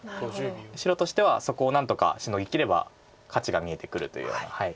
白としてはそこを何とかシノぎきれば勝ちが見えてくるというような。